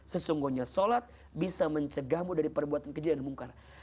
sesungguhnya sholat bisa mencegahmu dari perbuatan keji dan munkar